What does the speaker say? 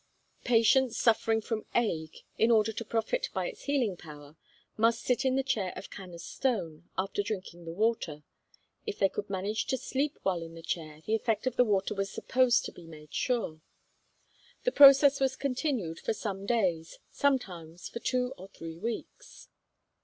Patients suffering from ague, in order to profit by its healing power, must sit in the chair of Canna's stone, after drinking of the water. If they could manage to sleep while in the chair, the effect of the water was supposed to be made sure. The process was continued for some days, sometimes for two or three weeks.